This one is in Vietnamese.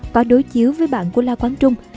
có đối chiếu với bản của la quán trung